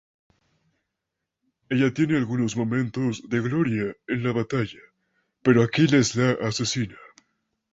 Ella tiene algunos momentos de gloria en la batalla, pero Aquiles la asesina.